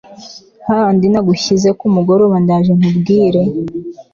hahandi nagushyize kumugoroba ndaje nkubwire